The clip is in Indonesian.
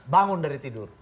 bangun dari tidur